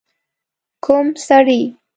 ک و م سړی؟